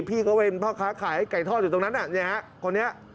พี่เขาเป็นพ่อค้าขายไก่ทอดอยู่ตรงนั้นคนนี้